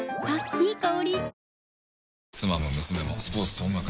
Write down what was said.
いい香り。